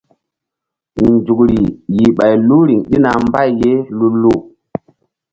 Nzukri yih ɓay lu riŋ ɗina mbay ye lu-lu.